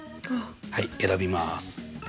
はい選びます。